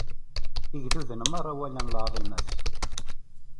Igduden merra walan lɛaḍima-s.